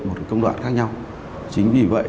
một công đoạn khác nhau chính vì vậy